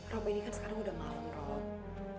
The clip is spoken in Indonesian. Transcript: rob ini kan sekarang udah malem rob